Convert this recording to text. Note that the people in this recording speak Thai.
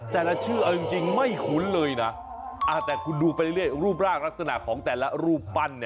ชื่อเอาจริงไม่คุ้นเลยนะแต่คุณดูไปเรื่อยรูปร่างลักษณะของแต่ละรูปปั้น